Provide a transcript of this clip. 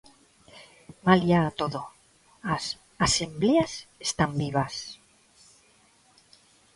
Malia a todo, as asembleas están vivas.